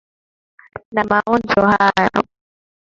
Na maonjo haya.